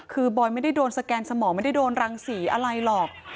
คือบอยไม่ได้โดนสแกนสมองไม่ได้โดนรังสีอะไรหรอก